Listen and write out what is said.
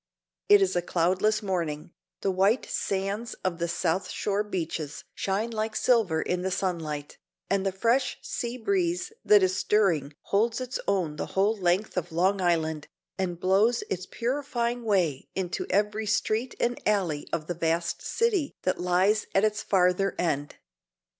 It is a cloudless morning, the white sands of the South shore beaches shine like silver in the sunlight, and the fresh sea breeze that is stirring holds its own the whole length of Long Island, and blows its purifying way into every street and alley of the vast city that lies at its farther end.